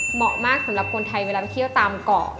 เหมาะมากสำหรับคนไทยเวลาไปเที่ยวตามเกาะ